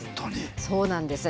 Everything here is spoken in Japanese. そうなんです。